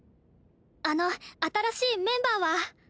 あの新しいメンバーは？